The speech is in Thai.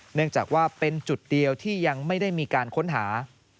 เนื่องจากว่าเป็นจุดเดียวที่ยังไม่ได้มีการค้นหา